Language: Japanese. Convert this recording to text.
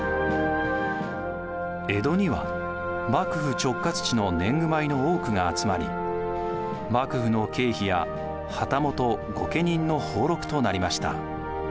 江戸には幕府直轄地の年貢米の多くが集まり幕府の経費や旗本・御家人の俸禄となりました。